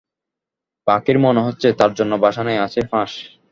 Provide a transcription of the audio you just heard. পাখির মনে হচ্ছে তার জন্যে বাসা নেই আছে ফাঁস।